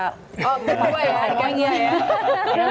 oh berapa ya harganya ya